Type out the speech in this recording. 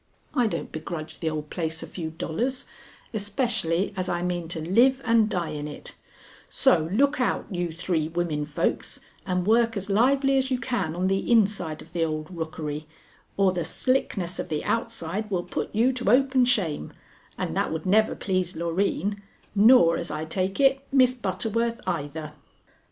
I don't begrudge the old place a few dollars, especially as I mean to live and die in it; so look out, you three women folks, and work as lively as you can on the inside of the old rookery, or the slickness of the outside will put you to open shame, and that would never please Loreen, nor, as I take it, Miss Butterworth either."